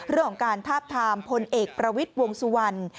เรื่องของการทาบทามพลเอกประวิทย์วงสุวรรณ